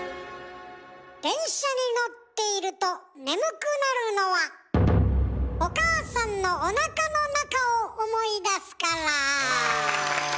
電車に乗っていると眠くなるのはお母さんのおなかの中を思い出すから。